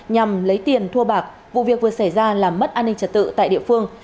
nhằm lấy tiền thua bạc vụ việc vừa xảy ra làm mất an ninh trật tự tại địa phương